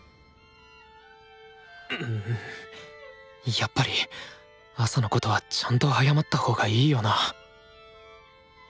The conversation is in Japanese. やっぱり朝のことはちゃんと謝ったほうがいいよなぁあ